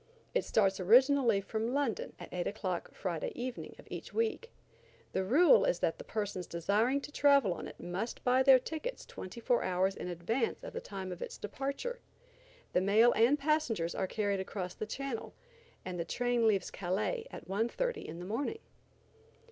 It starts originally from London, at eight o'clock Friday evening of each week. The rule is that the persons desiring to travel on it must buy their tickets twenty four hours in advance of the time of its departure. The mail and passengers are carried across the channel, and the train leaves Calais at 1.30 in the morning.